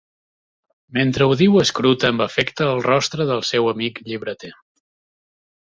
Mentre ho diu escruta amb afecte el rostre del seu amic llibreter.